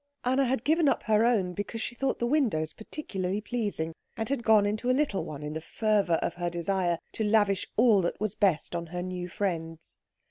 Anna had given up her own because she thought the windows particularly pleasing, and had gone into a little one in the fervour of her desire to lavish all that was best on her new friends.